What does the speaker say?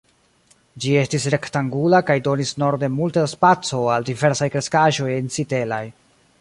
Ĝi estis rektangula kaj donis norde multe da spaco al diversaj kreskaĵoj ensitelaj.